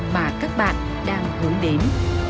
mà các bạn đang hướng đến